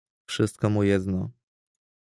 "Wszystko mu jedno."